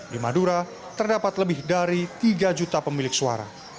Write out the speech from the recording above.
di madura terdapat lebih dari tiga juta pemilik suara